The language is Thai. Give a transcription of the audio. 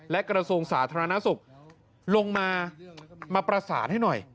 และกระทรวงสาธารณสุขลงมามาประสานให้หน่อย